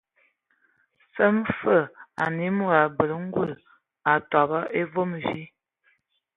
Səm fə anə mod abələ ngul atɔbɔ e vom ayi.